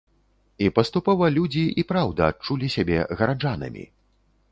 І паступова людзі і праўда адчулі сябе гараджанамі!